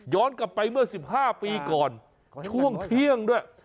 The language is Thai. กลับไปเมื่อ๑๕ปีก่อนช่วงเที่ยงด้วย